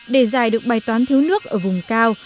để giải được bài toán thiếu nước ở vùng cao